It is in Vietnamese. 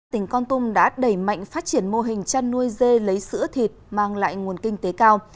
tỉnh con tum đã đẩy mạnh phát triển mô hình chăn nuôi dê lấy sữa thịt mang lại nguồn kinh tế cao